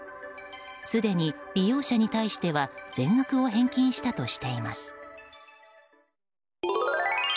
すでに、利用者に対しては全額を返金したとしています。